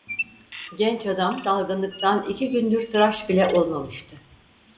Genç adam dalgınlıktan iki gündür tıraş bile olmamıştı.